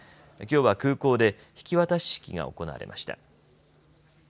きょうは空港で引き渡し式が行われました。